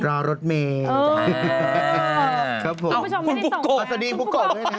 พี่ปุ๊กโกแบบว่าเมื่อไหร่จะเปลี่ยนง่าย